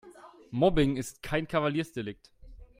Mobbing ist kein Kavaliersdelikt.